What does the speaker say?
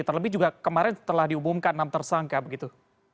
terlebih juga kemarin telah diumumkan enam tersangka begitu